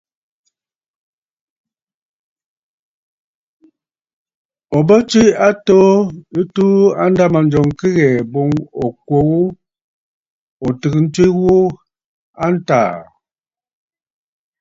Ò bə tswe a atoo ɨ tuu a ndâmanjɔŋ kɨ ghɛ̀ɛ̀ boŋ ò kwo ghu ò tɨgə̀ ntswe ghu a ntàà.